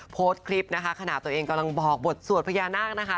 โพสต์คลิปนะคะขณะตัวเองกำลังบอกบทสวดพญานาคนะคะ